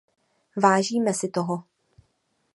Vážíme si toho.